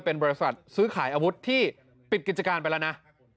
เป็นบริษัทซื้อขายอาวุธที่ปิดกิจการไปแล้วนะ